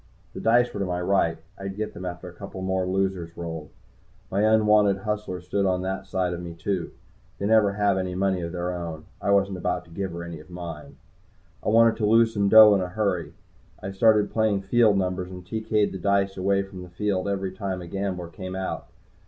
The dice were to my right I'd get them after a couple more losers rolled. My unwanted hustler stood on that side of me, too. They never have any money of their own. I wasn't about to give her any of mine. I wanted to lose some dough in a hurry. I started playing field numbers, and TK'd the dice away from the field every time a gambler came out.